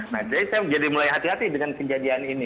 nah jadi saya jadi mulai hati hati dengan kejadian ini